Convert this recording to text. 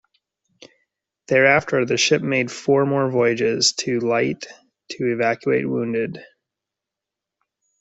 Thereafter the ship made four more voyages to Leyte to evacuate wounded.